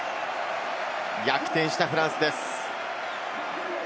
逆転したフランスです。